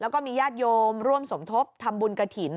แล้วก็มีญาติโยมร่วมสมทบทำบุญกระถิ่น